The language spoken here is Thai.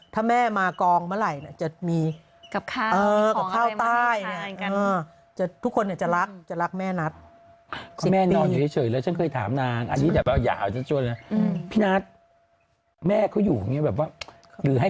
ถ้าแม่มากองเมื่อไหร่จะมี